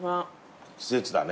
季節だね。